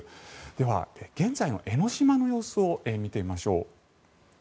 では現在の江の島の様子を見てみましょう。